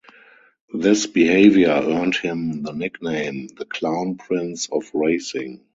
This behavior earned him the nickname "The Clown Prince of Racing".